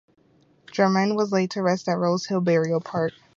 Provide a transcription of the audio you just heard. Jarman was laid to rest at Rose Hill Burial Park.